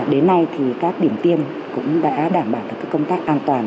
đến nay thì các điểm tiêm cũng đã đảm bảo được công tác an toàn